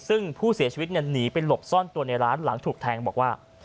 ซึ่งผู้เสียชีวิตหนีไปหลบซ่อนตัวในร้านหลังถูกแทงบอกว่า